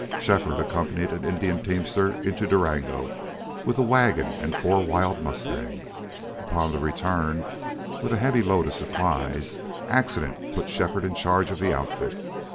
Shefford accompanied an Indian teamster in to Durango with a wagon and four wild mustangs. Upon the return, with a heavy load of supplies, accident put Shefford in charge of the outfit.